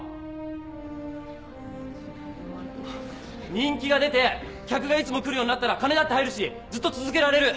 人気が出て客がいつも来るようになったら金だって入るしずっと続けられる！